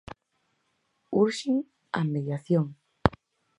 Urxen a mediación.